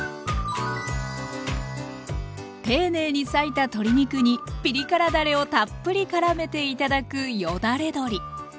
丁寧に裂いた鶏肉にピリ辛だれをたっぷりからめて頂くよだれ鶏。